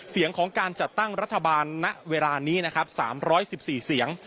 เสียงของการจัดตั้งรัฐบาลณเวลานี้นะครับ๓๑๔เสียง